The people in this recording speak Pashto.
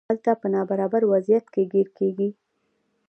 هلته په نابرابر وضعیت کې ګیر کیږي.